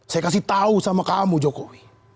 saya kasih tahu sama kamu jokowi